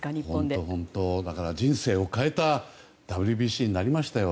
本当に人生を変えたＷＢＣになりましたよ。